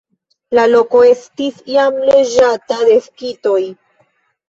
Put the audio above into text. La loko estis jam loĝata de skitoj.